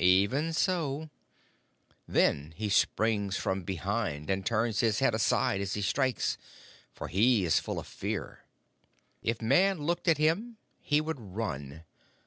"Even so. Then he springs from behind and turns his head aside as he strikes, for he is full of fear. If Man looked at him he would run.